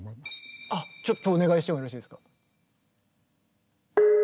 あっちょっとお願いしてもよろしいですか？